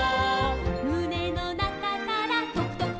「むねのなかからとくとくとく」